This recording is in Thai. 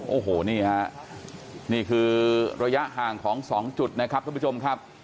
โอ้โหนี่ฮะนี่คือระยะห่างของ๒จุดนะครับทุกผู้ชมครับ